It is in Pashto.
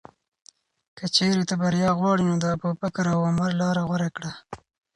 که چېرې ته بریا غواړې، نو د ابوبکر او عمر لاره غوره کړه.